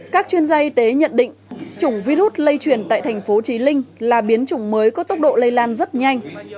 các chuyên gia y tế nhận định chủng virus lây chuyển tại tp chí linh là biến chủng mới có tốc độ lây lan rất nhanh